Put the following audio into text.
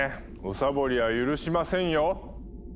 おサボりは許しませんよ！